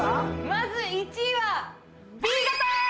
まず１位はＢ型！